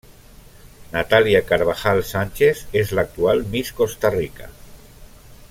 Natalia Carvajal Sánchez es la actual Miss Costa Rica.